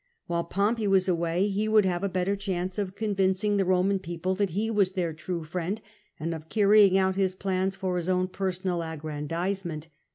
While Pompey was away, he would have a better chance of convincing the Roman people that he was their true friend, and of cariy ing out his plans for his own personal aggrandisement.